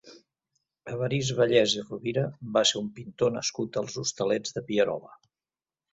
Evarist Vallès i Rovira va ser un pintor nascut als Hostalets de Pierola.